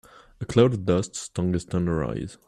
A cloud of dust stung his tender eyes.